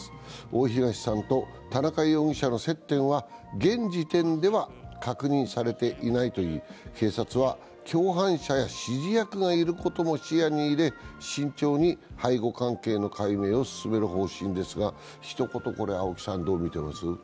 大東さんと田中容疑者の接点は現時点では確認されていないといい警察は共犯者や指示役がいることも視野に入れ慎重に背後関係の解明を進める方針ですが、青木さん、これはどう見ていますか？